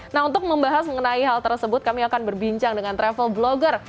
nah untuk membahas mengenai hal tersebut kami akan berbincang dengan travel blogger